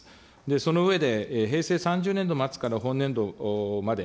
その上で、平成３０年度末から本年度まで、